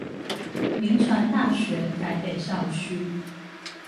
銘傳大學台北校區